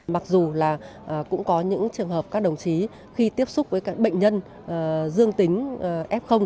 mặc dù là cũng có những trường hợp các đồng chí khi tiếp xúc với các bệnh nhân dương tính f